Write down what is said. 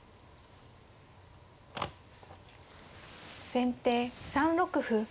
先手３六歩。